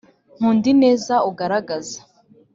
nkunda ineza ugaragaza